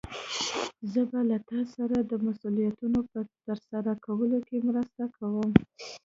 زه به له تا سره د مسؤليتونو په ترسره کولو کې مرسته کوم.